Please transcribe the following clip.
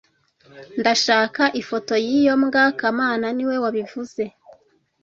Ndashaka ifoto yiyo mbwa kamana niwe wabivuze